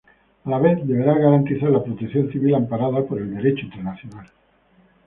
A la vez, deberá garantizar la protección civil amparada por el Derecho Internacional.